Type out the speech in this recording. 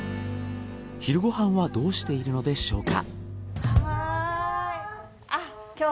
昼ご飯はどうしているのでしょうか？